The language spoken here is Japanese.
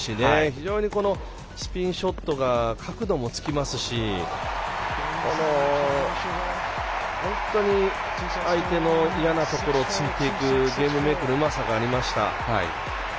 非常にスピンショットが角度もつきますし本当に、相手の嫌なところを突いていくゲームメイクのうまさがありました。